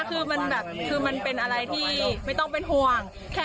ทุกคนไม่ต้องเป็นห่วงนะคะ